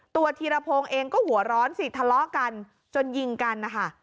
ธีรพงศ์เองก็หัวร้อนสิทะเลาะกันจนยิงกันนะคะ